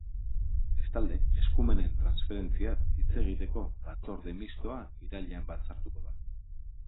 Bestalde, eskumenen transferentziaz hitz egiteko batzorde mistoa irailean batzartuko da.